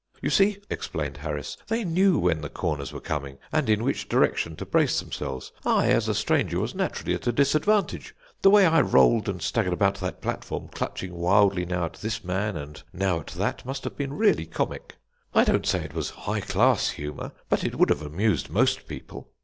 You see," explained Harris, "they knew when the corners were coming, and in which direction to brace themselves. I, as a stranger, was naturally at a disadvantage. The way I rolled and staggered about that platform, clutching wildly now at this man and now at that, must have been really comic. I don't say it was high class humour, but it would have amused most people.